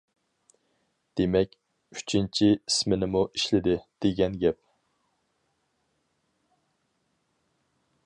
دېمەك، ئۈچىنچى ئىسمىنىمۇ ئىشلىدى، دېگەن گەپ.